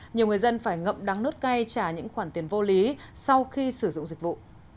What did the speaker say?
nhiều người dân phải ngậm đắng nốt cay trả những khoản tiền vô lý sau khi sử dụng dịch vụ